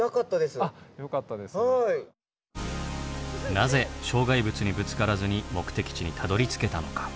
なぜ障害物にぶつからずに目的地にたどりつけたのか？